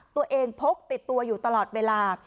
ตัวเองพกติดตัวอยู่ตลอดเวลา